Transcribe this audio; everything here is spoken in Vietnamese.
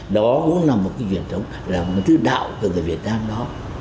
đó cũng là một cái thư đạo của người việt nam đó